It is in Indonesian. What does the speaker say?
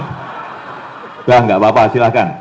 sudah tidak apa apa silahkan